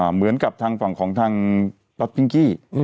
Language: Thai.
เหมือนกับทางต่างของทางล็อตปิ้งกี้